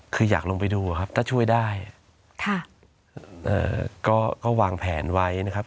คืออยากลงไปดูอะครับถ้าช่วยได้ก็วางแผนไว้นะครับ